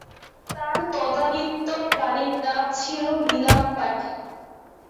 তাঁর তদানীন্তন বাড়ির নাম ছিল 'নীলামবাটী'।